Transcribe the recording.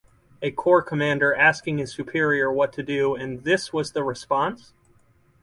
A corps commander asking his superior what to do and this was the response!